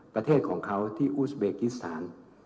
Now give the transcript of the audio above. ประเทศของเขาที่อุสเบกิสถาน